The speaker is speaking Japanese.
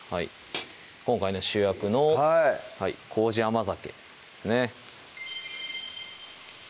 今回の主役の糀甘酒ですね